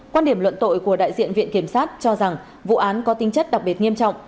quan điểm luận tội của đại diện viện kiểm sát cho rằng vụ án có tinh chất đặc biệt nghiêm trọng